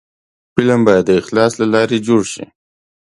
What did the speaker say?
فلم باید د اخلاص له لارې جوړ شي